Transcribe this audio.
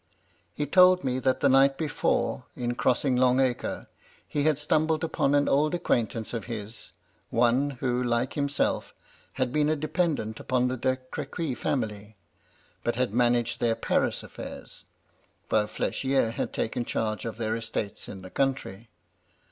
He told me that the night before, in crossing Long Acre, he had stumbled upon an old acquaintance of his ; one who, like himself, had been a dependant upon the De Crequy family, but had managed their Paris affairs, while FMchier had taken charge of their estates in the country.